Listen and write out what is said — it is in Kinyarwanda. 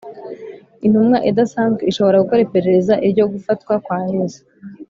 Intumwa idasanzwe ishobora gukora iperereza iryo gufatwa kwa yesu